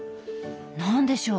何でしょう？